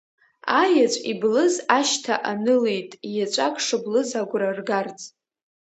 Аеҵә иблыз ашьҭа анылеит, еҵәак шыблыз агәра ргарц.